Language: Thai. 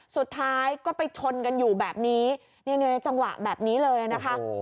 สุดท้ายก็ไปชนกันอยู่แบบนี้ในจังหวะแบบนี้เลยนะคะ